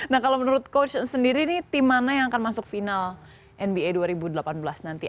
nah kalau menurut coach sendiri ini tim mana yang akan masuk final nba dua ribu delapan belas nanti